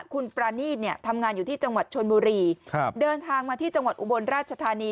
คุณปรานีตเนี่ยทำงานอยู่ที่จังหวัดชนบุรีครับเดินทางมาที่จังหวัดอุบลราชธานี